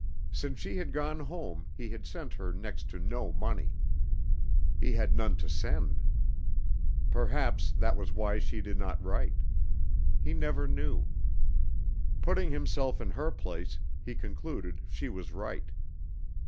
Since she had gone home he had sent her next to no money. He had none to send. Perhaps that was why she did not write. He never knew. Putting himself in her place, he concluded she was right.